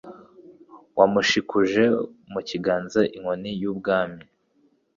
Wamushikuje mu kiganza inkoni y’ubwami